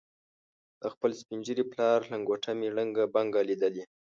د خپل سپین ږیري پلار لنګوټه مې ړنګه بنګه لیدلې.